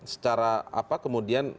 secara apa kemudian